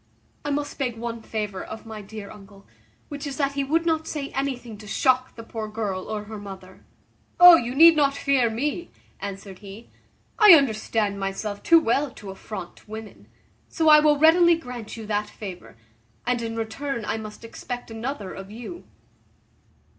I must beg one favour of my dear uncle, which is that he would not say anything to shock the poor girl or her mother." "Oh! you need not fear me," answered he, "I understand myself too well to affront women; so I will readily grant you that favour; and in return I must expect another of you."